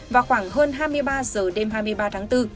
vào khoảng hơn hai mươi ba h đêm hai mươi ba tháng bốn